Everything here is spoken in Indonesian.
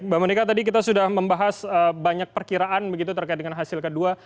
mbak monika tadi kita sudah membahas banyak perkiraan begitu terkait dengan hasil kedua